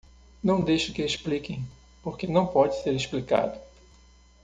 Não deixe que expliquem, porque não pode ser explicado!